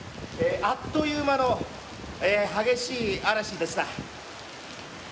あっという間の激しい嵐でした。